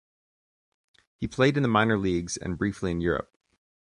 He played in the minor leagues and briefly in Europe.